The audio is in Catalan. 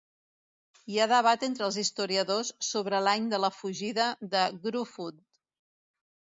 Hi ha debat entre els historiadors sobre l'any de la fugida de Gruffudd.